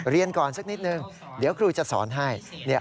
เรียนก่อนสักนิดนึงเดี๋ยวครูจะสอนให้